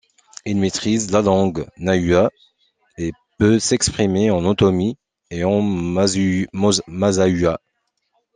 Il maîtrise la langue Nahuatl et peut s’exprimer en Otomi et en Mazahua.